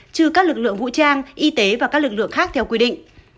trừ các lực lượng vũ trang y tế và các lực lượng khác theo quy định